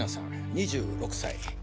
２６歳。